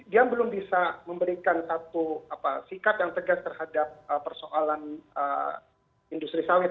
dia belum bisa memberikan satu sikap yang tegas terhadap persoalan industri sawit